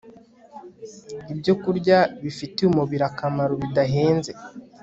ibyokurya bifitiye umubiri akamaro bidahenze